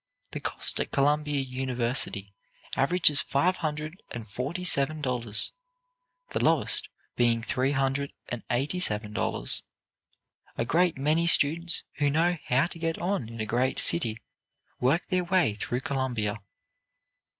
The cost at Columbia University averages five hundred and forty seven dollars, the lowest being three hundred and eighty seven dollars. A great many students who know how to get on in a great city work their way through Columbia.